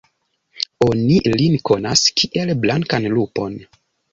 Oni lin konas, kiel blankan lupon.